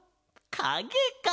かげか。